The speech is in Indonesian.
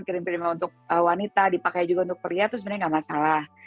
krim krim untuk wanita dipakai juga untuk pria itu sebenarnya gak masalah